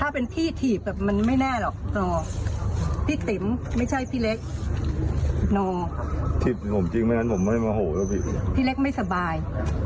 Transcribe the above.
พี่เล็กไม่สบายพี่เล็กไม่สบาย